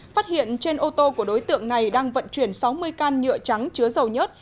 phát hiện trên ô tô của đối tượng này đang vận chuyển sáu mươi can nhựa trắng chứa dầu nhớt